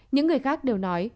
những người khác đều nói